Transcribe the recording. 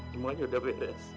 semuanya sudah beres